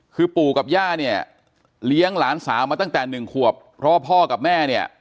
คือปู่กับย่าเนี่ยเลี้ยงหลานสาวมาตั้งแต่หนึ่งขวบเพราะว่าพ่อกับแม่เนี่ย